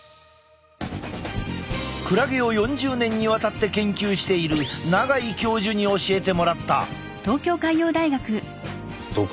クラゲを４０年にわたって研究している永井教授に教えてもらった。